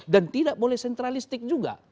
dan tidak boleh sentralistik juga